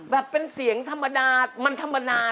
เป็นเสียงธรรมดามันธรรมดา